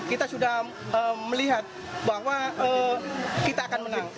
kita sudah melihat bahwa kita akan menang